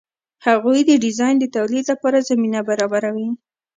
هغوی د ډیزاین د تولید لپاره زمینه برابروي.